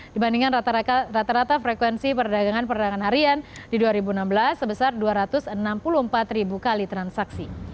dibandingkan rata rata frekuensi perdagangan perdagangan harian di dua ribu enam belas sebesar dua ratus enam puluh empat ribu kali transaksi